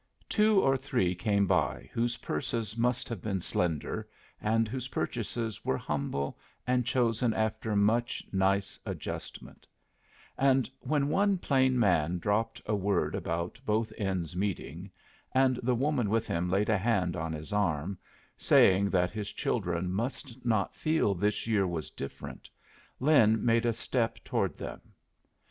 Two or three came by whose purses must have been slender, and whose purchases were humble and chosen after much nice adjustment; and when one plain man dropped a word about both ends meeting, and the woman with him laid a hand on his arm, saying that his children must not feel this year was different, Lin made a step toward them.